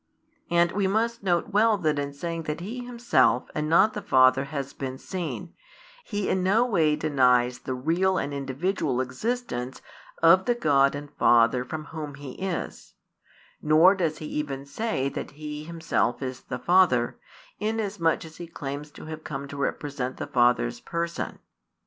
And we must note well that in saying that He Himself and not the Father has been seen, He in no way denies the real and individual existence of the God and Father from Whom He is; nor does He even say that He Himself is the Father, inasmuch as He claims to have come to represent the Father's Person.